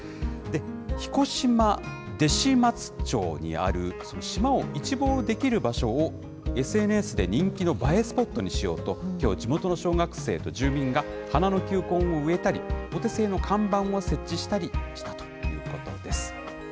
彦島弟子待町にある、その島を一望できる場所をＳＮＳで人気の映えスポットにしようと、きょう、地元の小学生と住民が、花の球根を植えたり、お手製の看板を設置したりしたということです。